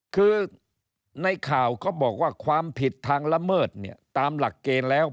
คือในข่าวเขาบอกว่าความผิดทางละเมิดเนี่ยตามหลักเกณฑ์แล้ว